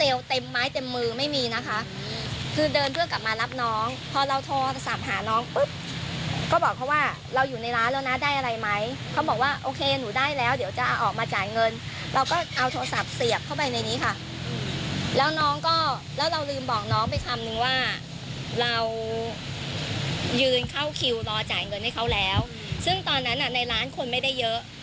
ยืนเข้าคิวรอจ่ายเงินให้เขาแล้วซึ่งตอนนั้นในร้านคนไม่ได้เยอะ